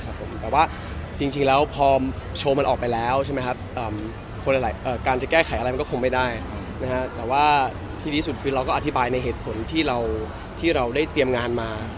คนอะไรการจะแก้ไขอะไรก็คงไม่ได้นะฮะแต่ว่าที่ที่สุดคือเราก็อธิบายในเหตุผลที่เราที่เราได้เตรียมงานมา